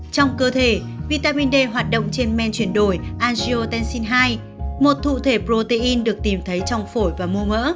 trong cơ thể vitamin d hoạt động trên men chuyển đổi agriotencin hai một thụ thể protein được tìm thấy trong phổi và mô mỡ